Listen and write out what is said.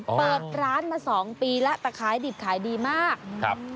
เปิดร้านมาสองปีแล้วแต่ขายดิบขายดีมากครับ